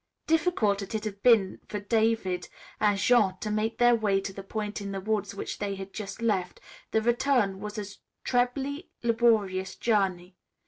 Difficult as it had been for David and Jean to make their way to the point in the woods which they had just left, the return was a trebly laborious journey.